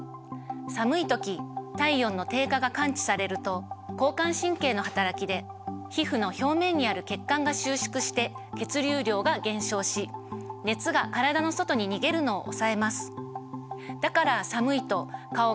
寒い時体温の低下が感知されると交感神経のはたらきで皮膚の表面にある血管が収縮して血流量が減少し熱が体の外に逃げるのを抑えます。